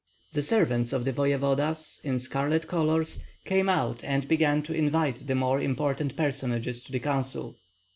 The servants of the voevodas, in scarlet colors, came out and began to invite the more important personages to the council.